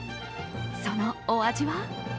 そのお味は？